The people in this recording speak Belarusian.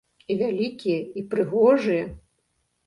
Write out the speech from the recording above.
І вялікія, і прыгожыя.